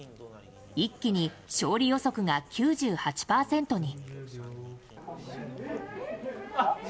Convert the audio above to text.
一気に勝利予測が９８％に。